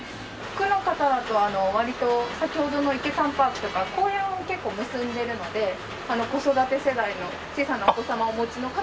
区の方だと割と先ほどのイケ・サンパークとか公園を結構結んでいるので子育て世代の小さなお子様をお持ちの方は結構。